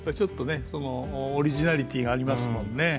オリジナリティーがありますもんね